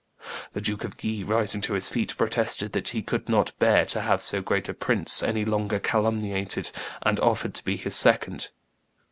The Duke of Guise, rising to his feet, protested that he could not bear to have so great a prince any longer calumniated, and offered to be his second.